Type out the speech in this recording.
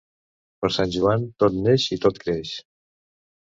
Per Sant Joan tot neix i tot creix.